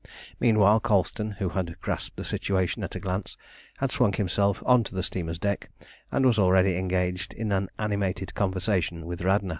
Meanwhile Colston, who had grasped the situation at a glance, had swung himself on to the steamer's deck, and was already engaged in an animated conversation with Radna.